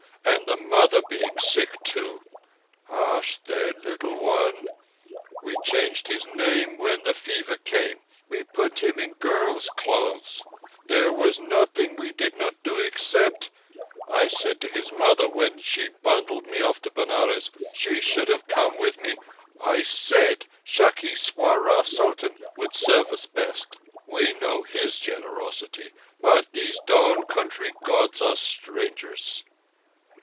And the mother being sick too ... Hush, then, little one ... We changed his name when the fever came. We put him into girl's clothes. There was nothing we did not do, except—I said to his mother when she bundled me off to Benares—she should have come with me—I said Sakhi Sarwar Sultan would serve us best. We know His generosity, but these down country Gods are strangers."